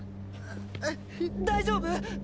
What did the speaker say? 大丈夫⁉